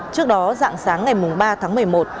trước đó dạng sáng ngày ba tháng một mươi một